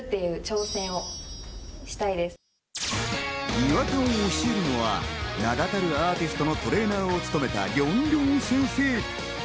岩田を教えるのは名だたるアーティストのトレーナーを務めたりょんりょん先生。